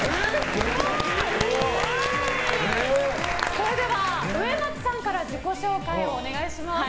それでは、上松さんから自己紹介をお願いします。